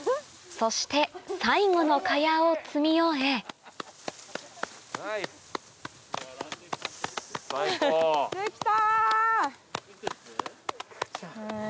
そして最後の茅を積み終えできた！